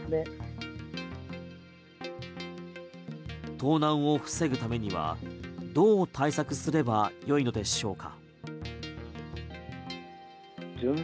盗難を防ぐためにはどう対策すればよいのでしょうか？